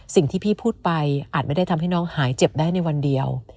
สิ่งที่พี่พูดไปอาจไม่ได้ทำให้น้องหายเจ็บได้ในวันเดียว